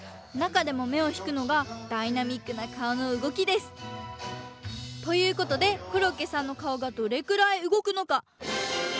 なかでもめをひくのがダイナミックな顔の動きです。ということでコロッケさんの顔がどれくらい動くのか